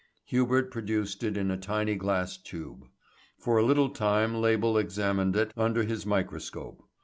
Hubert produced it in a tiny glass tube. For a little time Label examined it under his microscope.